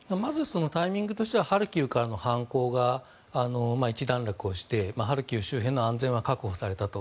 タイミングとしてはハルキウの反攻がひと段落をしてハルキウ周辺の安全は確保されたと。